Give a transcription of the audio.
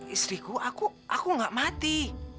istriku aku nggak mati